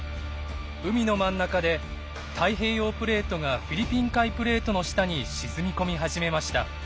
海の真ん中で太平洋プレートがフィリピン海プレートの下に沈み込み始めました。